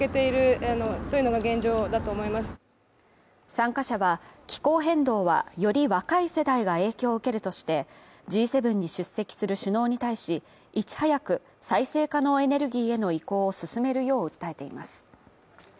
参加者は、気候変動は、より若い世代が影響を受けるとして、Ｇ７に出席する首脳に対し、いち早く再生可能エネルギーへの移行を進めるよう訴えています。